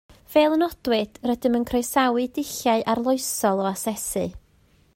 Fel y nodwyd, rydym yn croesawu dulliau arloesol o asesu